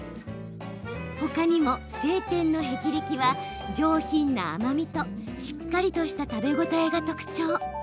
ほかにも青天の霹靂は上品な甘みとしっかりとした食べ応えが特徴。